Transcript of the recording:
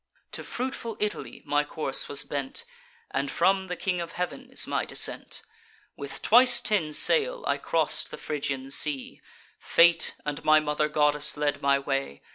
To fruitful Italy my course was bent; And from the King of Heav'n is my descent. With twice ten sail I cross'd the Phrygian sea; Fate and my mother goddess led my way.